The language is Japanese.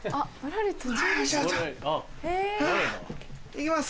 行きます。